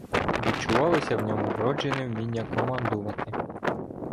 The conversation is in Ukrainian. Відчувалося в ньому вроджене вміння командувати.